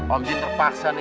om jin terpaksa nih